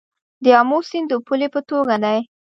د امو سیند د پولې په توګه دی